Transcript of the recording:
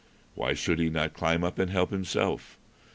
Why should he not climb up and help himself?